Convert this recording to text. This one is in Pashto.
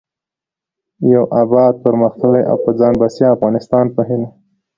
د يو اباد٬پرمختللي او په ځان بسيا افغانستان په هيله